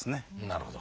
なるほど。